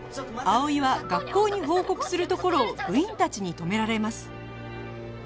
葵は学校に報告するところを部員たちに止められます